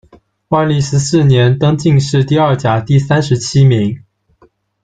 万历十四年，登进士第二甲第三十七名。